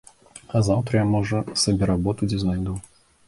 А заўтра я, можа, сабе работу дзе знайду.